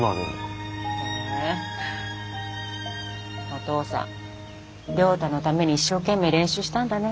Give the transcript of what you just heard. お父さん亮太のために一生懸命練習したんだね。